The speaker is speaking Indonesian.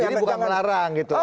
jadi bukan melarang gitu